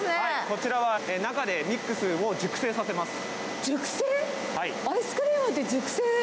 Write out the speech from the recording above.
こちらは中でミックスを熟成させます。